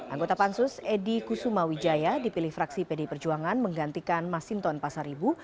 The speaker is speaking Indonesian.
anggota pansus edy kusuma wijaya dipilih fraksi pd perjuangan menggantikan masinton pasaribu